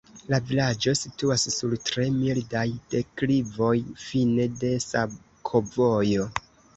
La vilaĝo situas sur tre mildaj deklivoj, fine de sakovojo.